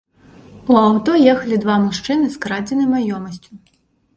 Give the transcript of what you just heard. У аўто ехалі два мужчыны з крадзенай маёмасцю.